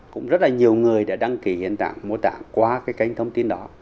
cũng rất là nhiều người đã đăng ký hiện tại mô tả qua cái kênh thông tin đó